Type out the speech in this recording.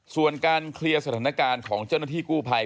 ส่วนการเคลียร์สถานการณ์ของเจ้าหน้าที่กู้ภัย